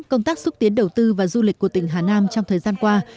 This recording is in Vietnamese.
công tác xúc tiến đầu tư và du lịch của tỉnh hà nam trong thời gian qua